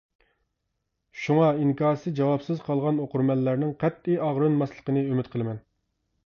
شۇڭا ئىنكاسى جاۋابسىز قالغان ئوقۇرمەنلەرنىڭ قەتئىي ئاغرىنماسلىقىنى ئۈمىد قىلىمەن.